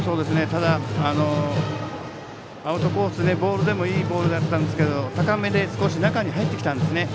ただ、アウトコースでボールでもいいボールだったんですけど高めで、少し中に入ってきたんですね。